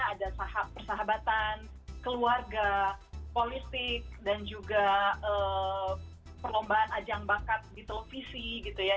ada persahabatan keluarga politik dan juga perlombaan ajang bakat di televisi gitu ya